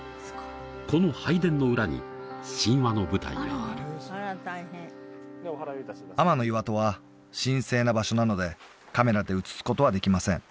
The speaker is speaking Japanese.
この拝殿の裏に神話の舞台がある天岩戸は神聖な場所なのでカメラで写すことはできません